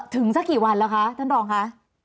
สักกี่วันแล้วคะท่านรองคะ